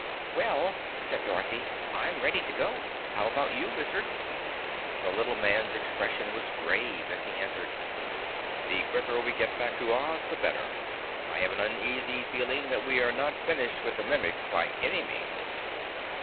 "Well," said Dorothy, "I'm ready to go. How about you, Wizard?" The little man's expression was grave as he answered. "The quicker we get back to Oz the better. I have an uneasy feeling that we are not finished with the Mimics by any means."